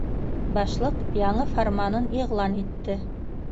Башлыҡ яңы фарманын иғлан итте: